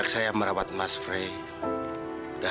kelinci pengimahnya tak kelelih produceme semingguan